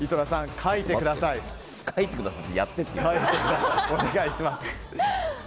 書いてくださいって。